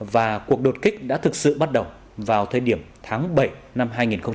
và cuộc đột kích đã thực sự bắt đầu vào thời điểm tháng bảy năm hai nghìn hai mươi